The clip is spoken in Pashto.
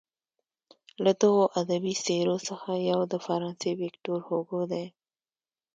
له دغو ادبي څیرو څخه یو د فرانسې ویکتور هوګو دی.